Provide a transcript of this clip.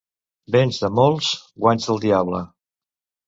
Béns de molts, guanys del diable.